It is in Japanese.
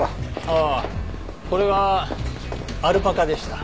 ああこれはアルパカでした。